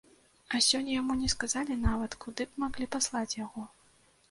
А сёння яму не сказалі нават, куды б маглі паслаць яго.